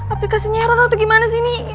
aplikasinya rono atau gimana sih ini